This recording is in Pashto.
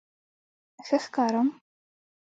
_ښه ښکارم؟